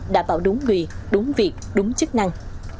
đảm bảo đúng người đúng việc đúng chức năng